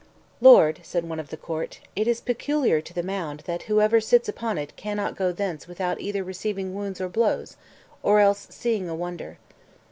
"Lord," said one of the court, "it is peculiar to the mound that whosoever sits upon it cannot go thence without either receiving wounds or blows, or else seeing a wonder."